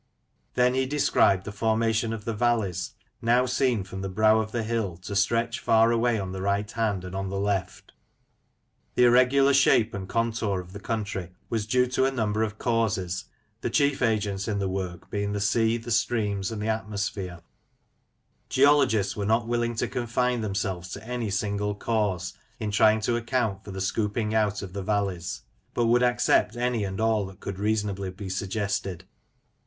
Then he described the formation of the valleys, now seen from the brow of the hill to stretch far away on the right hand and on the left. The irregular shape and contour of the country was due to a number of causes, the chief agents in the work being the sea, the streams, and the atmosphere. Geologists Afield with the Geologists, loi were not willing to confine themselves to any single cause in trying to account for the scooping out of the valleys, but would accept any and all that could reasonably be suggested.